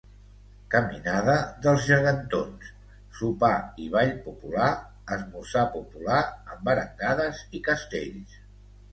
Caminada dels Gegantons, sopar i ball popular, esmorzar popular amb arengades i castells.